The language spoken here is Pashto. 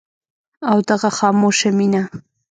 او دغه خاموشه مينه